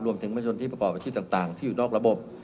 ประชาชนที่ประกอบอาชีพต่างที่อยู่นอกระบบ